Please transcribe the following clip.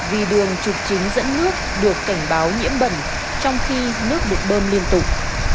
vì đường trục chính dẫn nước được cảnh báo nhiễm bẩn trong khi nước được bơm liên tục